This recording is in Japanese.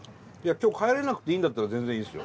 今日帰れなくていいんだったら全然いいんすよ